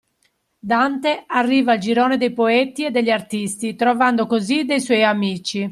Dante arriva al girone dei poeti e degli artisti trovando così dei suoi amici.